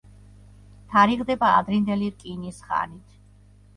თარიღდება ადრინდელი რკინის ხანით.